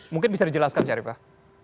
mungkin bisa dijelaskan syarifah